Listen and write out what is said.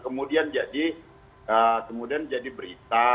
kemudian jadi kemudian jadi berita